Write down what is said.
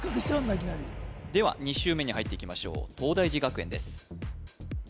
いきなりでは２周目に入っていきましょう東大寺学園です